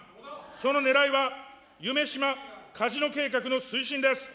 そのねらいは、夢洲カジノ計画の推進です。